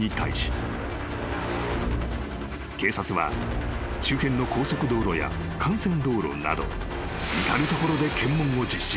［警察は周辺の高速道路や幹線道路など至る所で］